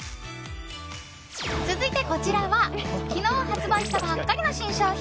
続いて、こちらは昨日発売したばっかりの新商品